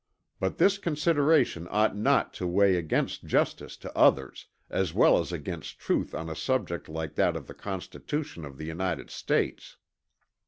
But this consideration ought not to weigh against justice to others, as well as against truth on a subject like that of the Constitution of the United States."